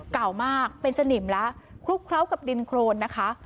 เก่ามากเป็นสนิมแล้วคลุกเคล้ากับดินโครนนะคะ